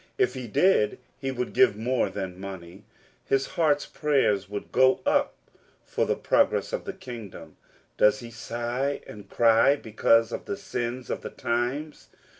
If he did he would give more than money. His heart's prayers would go up for the progress of the kingdom. Does he sigh and cly because of the sins of the times